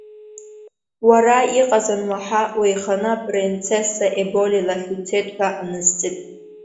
Уара, иҟаз ануаҳа, уеиханы апринцесса Еболи лахь уцеит ҳәа анысҵеит.